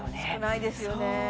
少ないですよね